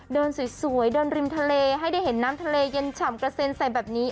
เดินสวยเดินริมทะเลให้ได้เห็นน้ำทะเลเย็นฉ่ำกระเซ็นใส่แบบนี้